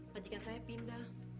pajikan saya pindah